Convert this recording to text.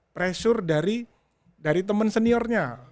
pressure dari temen seniornya